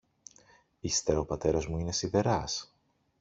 Ύστερα ο πατέρας μου είναι σιδεράς